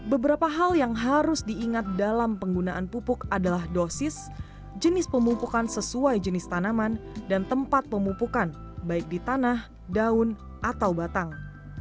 beberapa hal yang harus diingat dalam penggunaan pupuk adalah dosis jenis pemupukan sesuai jenis tanaman dan tempat pemupukan baik di tanah daun atau batang